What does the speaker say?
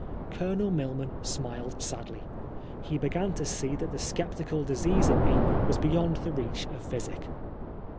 Colonel Milman smiled sadly. He b^fan to see that the sceptical disease in me was beyond the reach of physic.